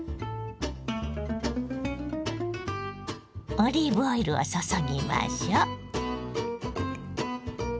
オリーブオイルを注ぎましょう。